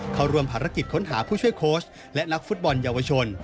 เข้าร่วมภารกิจค้นหาผู้ช่วยโค้ชและนักฟุตบอลเยาวชน